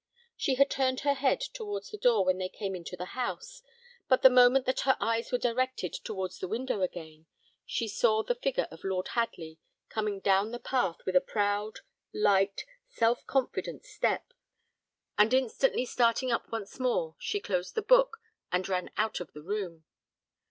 She had turned her head towards the door when they came into the house; but the moment that her eyes were directed towards the window again, she saw the figure of Lord Hadley, coming down the path with a proud, light, self confident step, and instantly starting up once more, she closed the book, and ran out of the room.